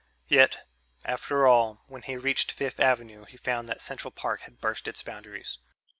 Yet, after all, when he reached Fifth Avenue he found that Central Park had burst its boundaries.